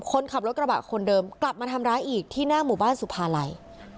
คนขับรถกระบะคนเดิมกลับมาทำร้ายอีกที่หน้าหมู่บ้านสุภาลัย